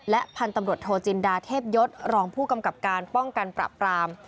พันธุ์ตำรวจโทจินดาเทพยศรองผู้กำกับการป้องกันปราบปราม